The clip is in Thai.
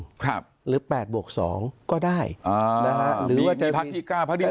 ครับหรือแปดบวกสองก็ได้อ่าหรือว่าจะมีมีพักที่เก้า